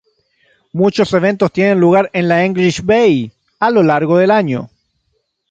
Muchos eventos tienen lugar en la English Bay a lo largo del año.